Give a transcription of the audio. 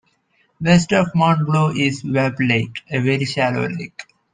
West of Mount Blue is Webb Lake, a very shallow lake.